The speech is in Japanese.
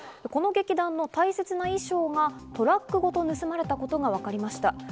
この劇団の大切な衣装などがトラックごと盗まれたことがわかりました。